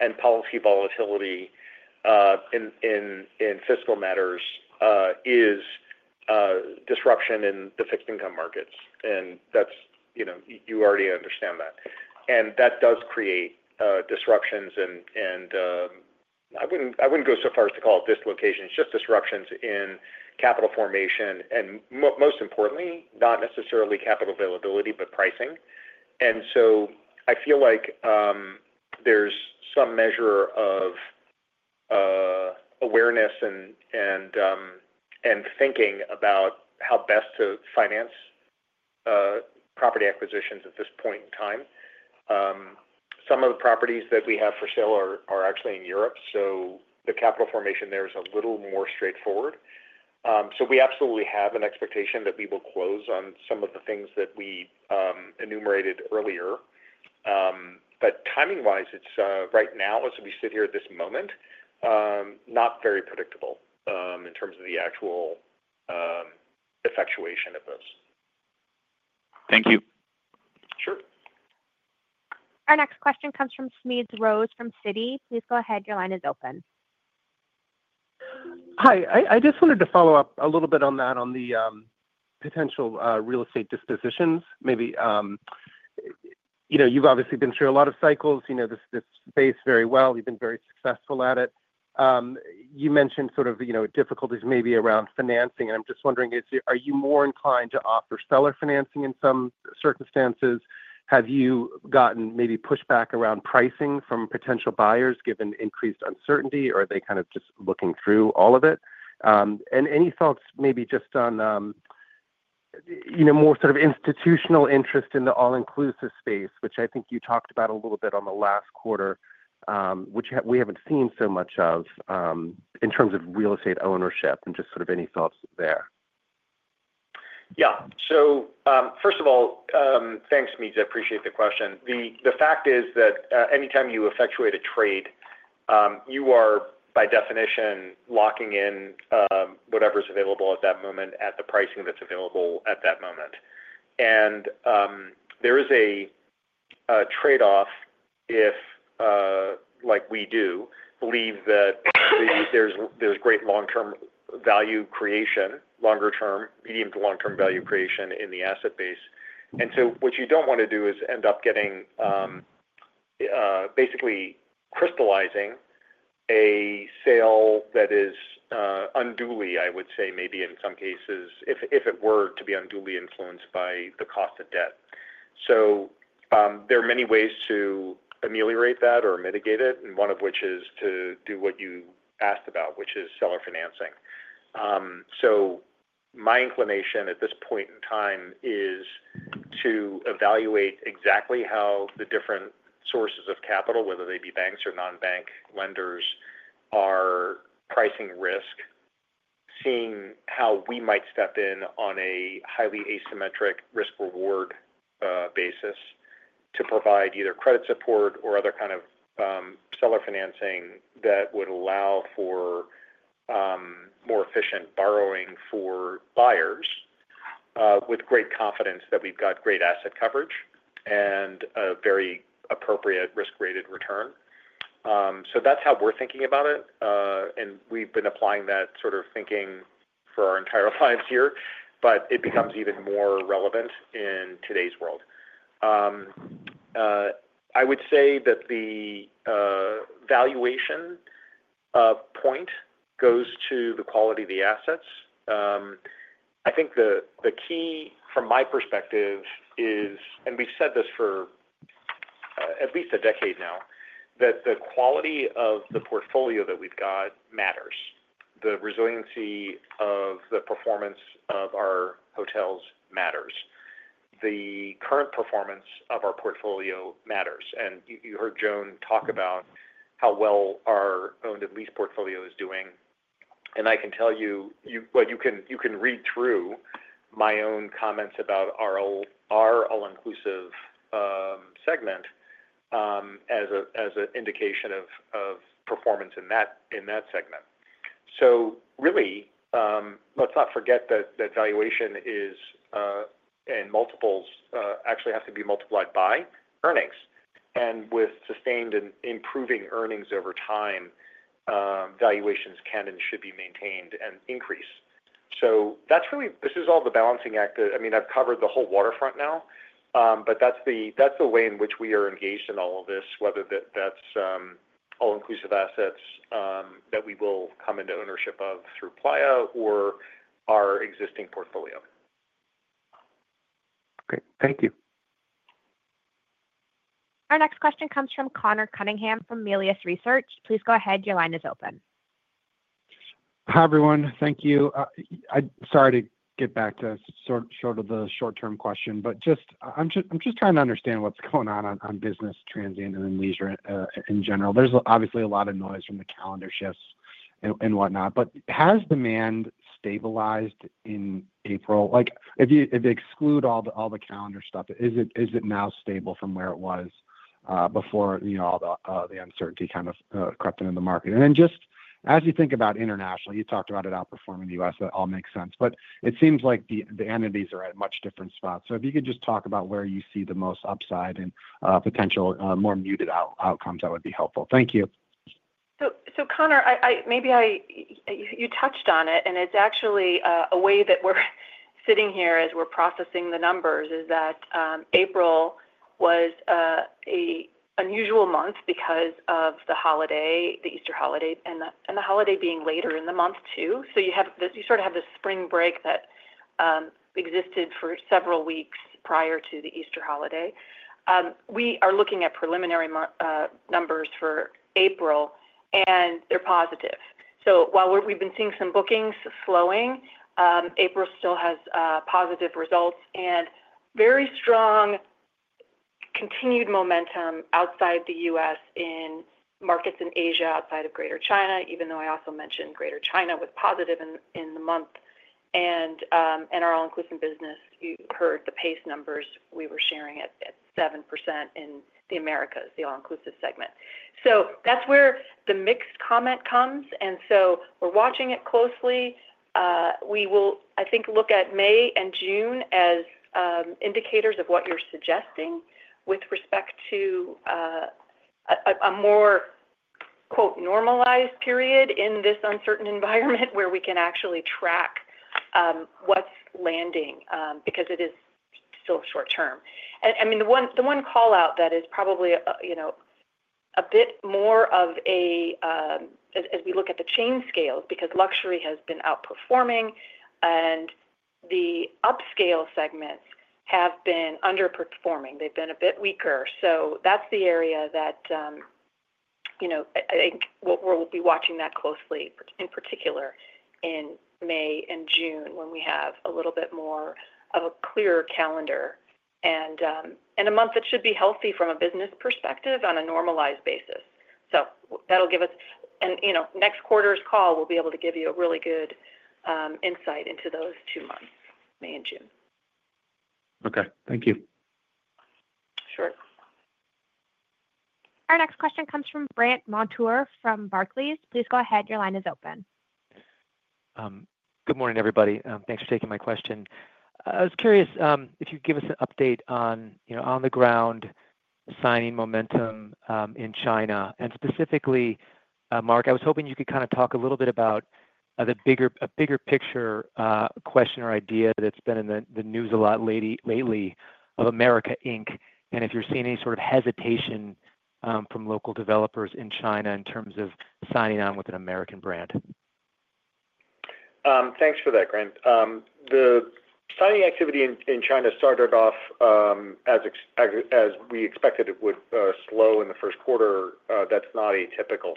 and policy volatility in fiscal matters is disruption in the fixed-income markets. You already understand that. That does create disruptions. I wouldn't go so far as to call it dislocations. It's just disruptions in capital formation and, most importantly, not necessarily capital availability, but pricing. I feel like there's some measure of awareness and thinking about how best to finance property acquisitions at this point in time. Some of the properties that we have for sale are actually in Europe, so the capital formation there is a little more straightforward. We absolutely have an expectation that we will close on some of the things that we enumerated earlier. Timing-wise, right now, as we sit here at this moment, not very predictable in terms of the actual effectuation of those. Thank you. Sure. Our next question comes from Smedes Rose from Citi. Please go ahead. Your line is open. Hi. I just wanted to follow up a little bit on that, on the potential real estate dispositions. You've obviously been through a lot of cycles. You know this space very well. You've been very successful at it. You mentioned sort of difficulties maybe around financing. I'm just wondering, are you more inclined to offer seller financing in some circumstances? Have you gotten maybe pushback around pricing from potential buyers given increased uncertainty, or are they kind of just looking through all of it? Any thoughts maybe just on more sort of institutional interest in the all-inclusive space, which I think you talked about a little bit on the last quarter, which we haven't seen so much of in terms of real estate ownership and just sort of any thoughts there? Yeah. First of all, thanks, Smedes. I appreciate the question. The fact is that anytime you effectuate a trade, you are, by definition, locking in whatever is available at that moment at the pricing that is available at that moment. There is a trade-off if, like we do, believe that there is great long-term value creation, longer-term, medium to long-term value creation in the asset base. What you do not want to do is end up basically crystallizing a sale that is unduly, I would say, maybe in some cases, if it were to be unduly influenced by the cost of debt. There are many ways to ameliorate that or mitigate it, and one of which is to do what you asked about, which is seller financing. My inclination at this point in time is to evaluate exactly how the different sources of capital, whether they be banks or non-bank lenders, are pricing risk, seeing how we might step in on a highly asymmetric risk-reward basis to provide either credit support or other kind of seller financing that would allow for more efficient borrowing for buyers with great confidence that we've got great asset coverage and a very appropriate risk-rated return. That is how we're thinking about it. We've been applying that sort of thinking for our entire clients here, but it becomes even more relevant in today's world. I would say that the valuation point goes to the quality of the assets. I think the key, from my perspective, is—we've said this for at least a decade now—that the quality of the portfolio that we've got matters. The resiliency of the performance of our hotels matters. The current performance of our portfolio matters. You heard Joan talk about how well our owned and leased portfolio is doing. I can tell you, you can read through my own comments about our all-inclusive segment as an indication of performance in that segment. Really, let's not forget that valuation and multiples actually have to be multiplied by earnings. With sustained and improving earnings over time, valuations can and should be maintained and increase. This is all the balancing act. I mean, I've covered the whole waterfront now, but that's the way in which we are engaged in all of this, whether that's all-inclusive assets that we will come into ownership of through Playa or our existing portfolio. Great. Thank you. Our next question comes from Conor Cunningham from Melius Research. Please go ahead. Your line is open. Hi, everyone. Thank you. Sorry to get back to sort of the short-term question, but I'm just trying to understand what's going on on business transit and leisure in general. There's obviously a lot of noise from the calendar shifts and whatnot, but has demand stabilized in April? If you exclude all the calendar stuff, is it now stable from where it was before all the uncertainty kind of crept into the market? As you think about internationally, you talked about it outperforming the U.S. That all makes sense. It seems like the entities are at much different spots. If you could just talk about where you see the most upside and potential more muted outcomes, that would be helpful. Thank you. Conor, maybe you touched on it, and it's actually a way that we're sitting here as we're processing the numbers is that April was an unusual month because of the holiday, the Easter holiday, and the holiday being later in the month too. You sort of have this spring break that existed for several weeks prior to the Easter holiday. We are looking at preliminary numbers for April, and they're positive. While we've been seeing some bookings slowing, April still has positive results and very strong continued momentum outside the U.S. in markets in Asia, outside of Greater China, even though I also mentioned Greater China was positive in the month. In our all-inclusive business, you heard the pace numbers. We were sharing at 7% in the Americas, the all-inclusive segment. That's where the mixed comment comes. We're watching it closely. We will, I think, look at May and June as indicators of what you're suggesting with respect to a more "normalized" period in this uncertain environment where we can actually track what's landing because it is still short-term. I mean, the one callout that is probably a bit more of a—as we look at the chain scale, because luxury has been outperforming and the upscale segments have been underperforming, they've been a bit weaker. That is the area that I think we'll be watching closely in particular in May and June when we have a little bit more of a clearer calendar and a month that should be healthy from a business perspective on a normalized basis. That will give us—and next quarter's call will be able to give you a really good insight into those two months, May and June. Okay. Thank you. Sure. Our next question comes from Brandt Montour from Barclays. Please go ahead. Your line is open. Good morning, everybody. Thanks for taking my question. I was curious if you could give us an update on on-the-ground signing momentum in China. Specifically, Mark, I was hoping you could kind of talk a little bit about a bigger picture question or idea that's been in the news a lot lately of America Inc, and if you're seeing any sort of hesitation from local developers in China in terms of signing on with an American brand. Thanks for that, Brandt. The signing activity in China started off as we expected it would slow in the first quarter. That's not atypical.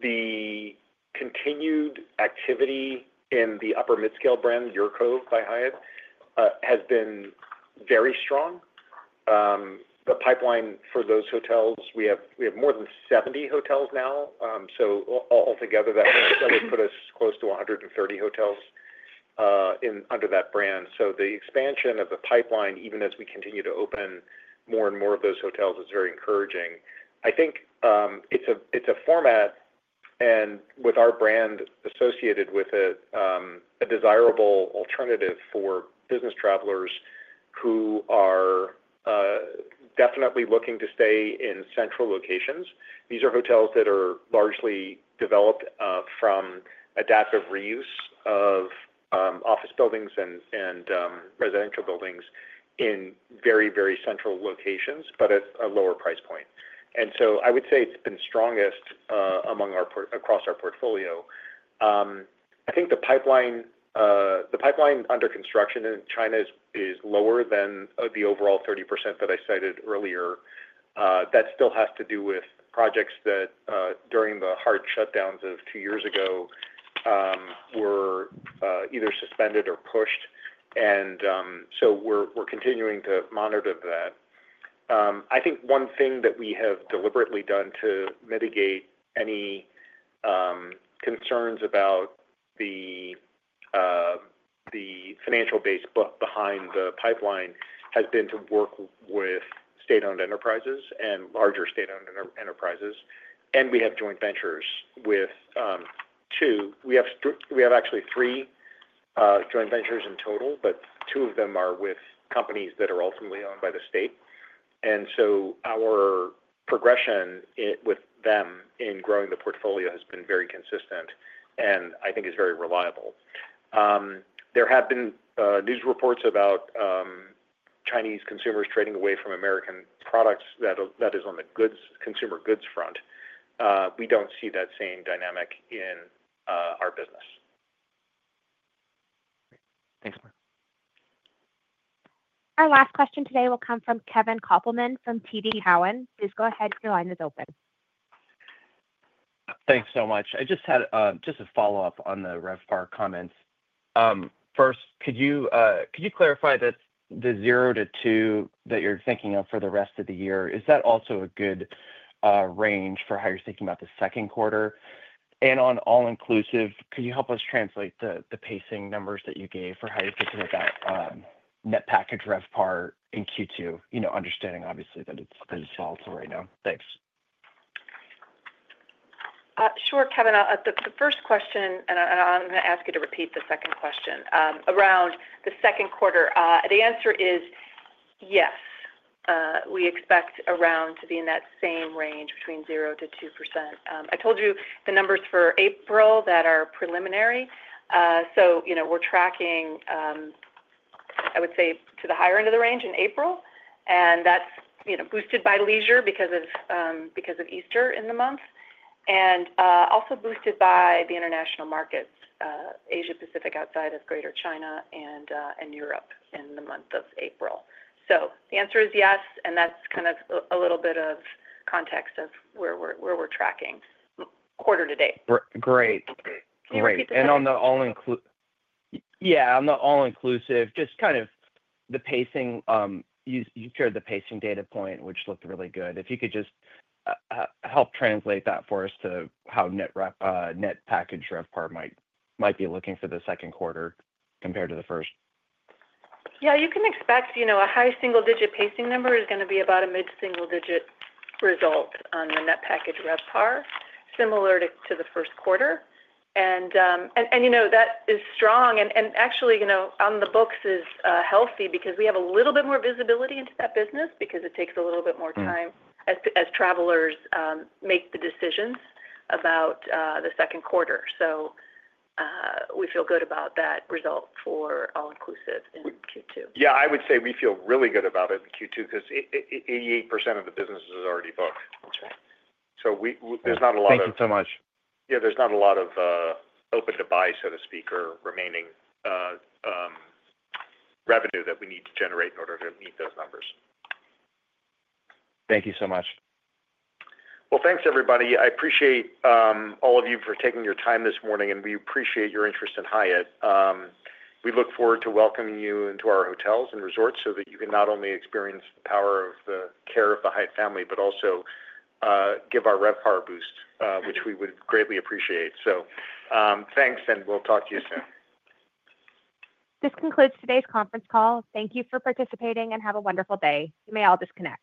The continued activity in the upper-midscale brand, UrCove by Hyatt, has been very strong. The pipeline for those hotels—we have more than 70 hotels now. Altogether, that would put us close to 130 hotels under that brand. The expansion of the pipeline, even as we continue to open more and more of those hotels, is very encouraging. I think it's a format and, with our brand associated with it, a desirable alternative for business travelers who are definitely looking to stay in central locations. These are hotels that are largely developed from adaptive reuse of office buildings and residential buildings in very, very central locations, but at a lower price point. I would say it's been strongest across our portfolio. I think the pipeline under construction in China is lower than the overall 30% that I cited earlier. That still has to do with projects that, during the hard shutdowns of two years ago, were either suspended or pushed. We are continuing to monitor that. I think one thing that we have deliberately done to mitigate any concerns about the financial base behind the pipeline has been to work with state-owned enterprises and larger state-owned enterprises. We have joint ventures with—we have actually three joint ventures in total, but two of them are with companies that are ultimately owned by the state. Our progression with them in growing the portfolio has been very consistent and I think is very reliable. There have been news reports about Chinese consumers trading away from American products that is on the consumer goods front. We don't see that same dynamic in our business. Thanks, Mark. Our last question today will come from Kevin Kopelman from TD Cowen. Please go ahead. Your line is open. Thanks so much. I just had just a follow-up on the RevPAR comments. First, could you clarify that the zero to two that you're thinking of for the rest of the year, is that also a good range for how you're thinking about the second quarter? On all-inclusive, could you help us translate the pacing numbers that you gave for how you're thinking about net package RevPAR in Q2, understanding, obviously, that it's volatile right now? Thanks. Sure, Kevin. The first question, and I'm going to ask you to repeat the second question around the second quarter. The answer is yes. We expect around to be in that same range between 0-2%. I told you the numbers for April that are preliminary. We're tracking, I would say, to the higher end of the range in April. That's boosted by leisure because of Easter in the month and also boosted by the international markets, Asia-Pacific outside of Greater China and Europe in the month of April. The answer is yes. That's kind of a little bit of context of where we're tracking quarter to date. Great. Great. On the all-inclusive, yeah, on the all-inclusive, just kind of the pacing, you shared the pacing data point, which looked really good. If you could just help translate that for us to how net package RevPAR might be looking for the second quarter compared to the first. Yeah. You can expect a high single-digit pacing number is going to be about a mid-single-digit result on the net package RevPAR, similar to the first quarter. That is strong. Actually, on the books is healthy because we have a little bit more visibility into that business because it takes a little bit more time as travelers make the decisions about the second quarter. We feel good about that result for all-inclusive in Q2. Yeah. I would say we feel really good about it in Q2 because 88% of the business is already booked. There is not a lot of. Thank you so much. Yeah. There's not a lot of open to buy, so to speak, or remaining revenue that we need to generate in order to meet those numbers. Thank you so much. Thanks, everybody. I appreciate all of you for taking your time this morning, and we appreciate your interest in Hyatt. We look forward to welcoming you into our hotels and resorts so that you can not only experience the power of the care of the Hyatt family, but also give our RevPAR a boost, which we would greatly appreciate. Thanks, and we'll talk to you soon. This concludes today's conference call. Thank you for participating and have a wonderful day. You may all disconnect.